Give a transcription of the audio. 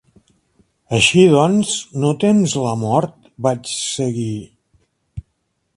"Així doncs, no tems la mort?" vaig seguir.